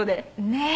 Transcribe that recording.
ねえ。